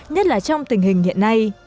nhất là trong tình hình hiện nay